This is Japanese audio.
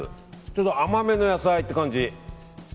ちょっと甘めの野菜って感じ。